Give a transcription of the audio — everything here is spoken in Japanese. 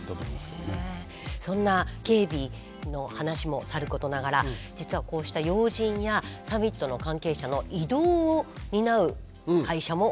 そんな警備の話もさることながら実はこうした要人やサミットの関係者の移動を担う会社も大変なんです。